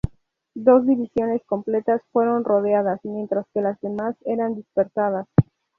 Dos divisiones completas fueron rodeadas, mientras que las demás eran dispersadas.